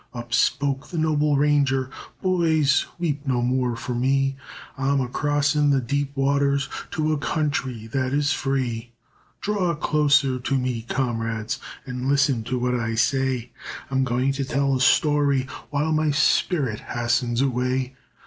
Up spoke the noble ranger, "Boys, weep no more for me, I am crossing the deep waters To a country that is free. "Draw closer to me, comrades, And listen to what I say, I am going to tell a story While my spirit hastens away.